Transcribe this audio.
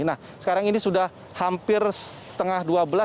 nah sekarang ini sudah hampir setengah dua belas